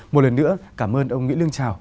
một lần nữa cảm ơn ông nguyễn lương trào